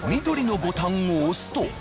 緑のボタンを押すと。